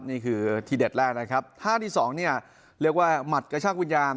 นี่คือทีเด็ดแรกนะครับท่าที่สองเนี่ยเรียกว่าหมัดกระชากวิญญาณ